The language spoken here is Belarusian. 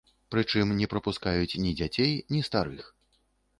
Прычым не прапускаюць ні дзяцей, ні старых.